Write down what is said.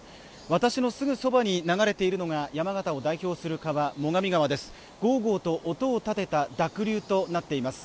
私のすぐそばに流れているのが山形を代表する川最上川です